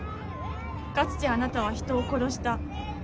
かつてあなたは人を殺した。